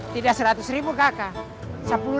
tidak seratus ribu kakak